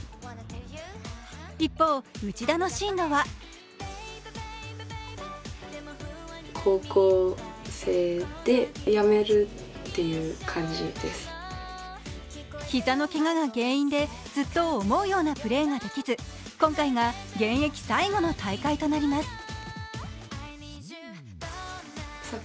一方、内田の進路は膝のけがが原因でずっと思うようなプレーができず今回が現役最後の大会となります。